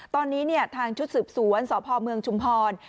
ตอนนี้ทางชุดสืบสวนสพเมืองชุมพร